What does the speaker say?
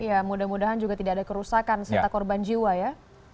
ya mudah mudahan juga tidak ada kerusakan serta korban jiwa ya